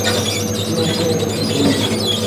তিনি এখানেই এতক্ষণ ছিলেন বুঝি?